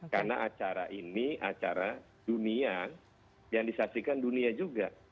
karena acara ini acara dunia yang disaksikan dunia juga